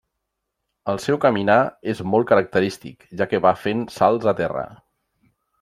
El seu caminar és molt característic, ja que va fent salts a terra.